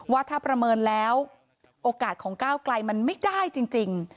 ว่าถ้าประเมินแล้วโอกาสของก้าวไกลมันไม่ได้จริง